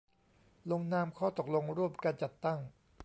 ลงนามข้อตกลงร่วมกันจัดตั้ง